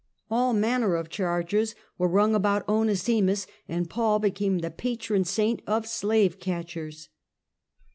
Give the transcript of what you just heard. All manner of charges were rung about Onesimus, and Paul became the patron saint of slave catchers.